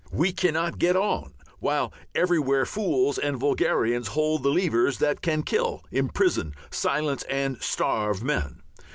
We cannot get on while everywhere fools and vulgarians hold the levers that can kill, imprison, silence and starve men.